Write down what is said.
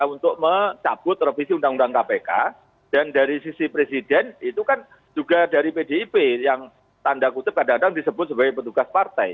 untuk mencabut revisi undang undang kpk dan dari sisi presiden itu kan juga dari pdip yang tanda kutip kadang kadang disebut sebagai petugas partai